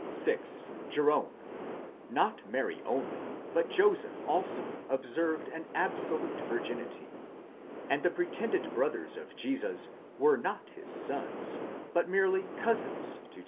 6. Jerome: not Mary only but Joseph also observed an absolute virginity, and the pretended brothers of Jesus were not his sons but merely cousins to Jesus.